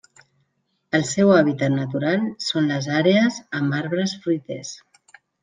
El seu hàbitat natural són les àrees amb arbres fruiters.